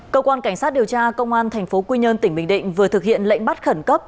cơ quan cảnh sát điều tra công an tp quy nhơn tỉnh bình định vừa thực hiện lệnh bắt khẩn cấp